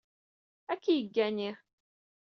Ad k-yeggani.